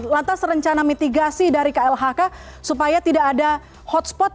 lantas rencana mitigasi dari klhk supaya tidak ada hotspot